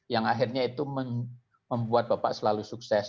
yang akhirnya itu membuat bapak selalu sukses